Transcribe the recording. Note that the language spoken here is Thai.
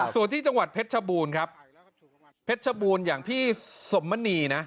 ส่วนที่จังหวัดเพชรชบูรณ์ครับเพชรชบูรณ์อย่างพี่สมมณีนะ